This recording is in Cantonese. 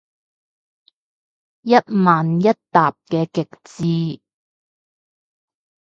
一問一答嘅極致